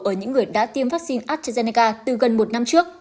ở những người đã tiêm vaccine asterna từ gần một năm trước